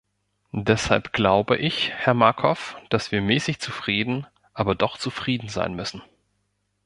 Deshalb glaube ich, Herr Markov, dass wir mäßig zufrieden, aber doch zufrieden sein müssen.